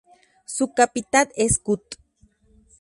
Su capital es Kut.